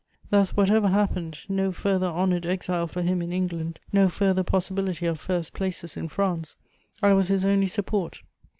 Thus, whatever happened, no further honoured exile for him in England, no further possibility of first places in France: I was his only support.